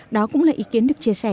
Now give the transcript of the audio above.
đó cũng là ý kiến được chia sẻ